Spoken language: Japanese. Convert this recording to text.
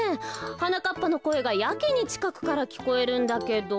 はなかっぱのこえがやけにちかくからきこえるんだけど。